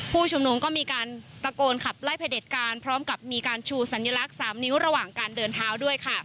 ผู้ชุมนุมก็มีการตะโกนขับไล่พระเด็จการพร้อมกับมีการชูสัญลักษณ์๓นิ้วระหว่างการเดินเท้าด้วยค่ะ